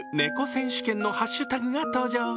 選手権のハッシュタグが登場。